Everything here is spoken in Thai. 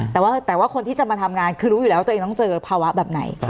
แต่ว่าคนที่จะมาทำงานคือรู้อยู่แล้วว่าตัวเองต้องเจอภาวะแบบไหน